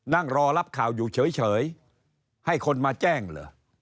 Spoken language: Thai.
นั่งรอรับข่าวอยู่เฉยให้คนมาแจ้งเหรอ